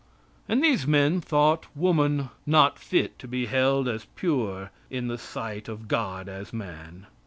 And these men thought woman not fit to be held as pure in the sight of God as man.